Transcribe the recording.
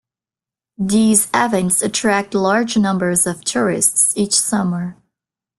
These events attracts large numbers of tourists each summer.